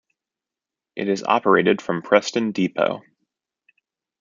It is operated from Preston depot.